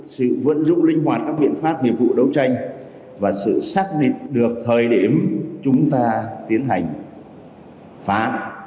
sự vận dụng linh hoạt các biện pháp nghiệp vụ đấu tranh và sự xác định được thời điểm chúng ta tiến hành phá án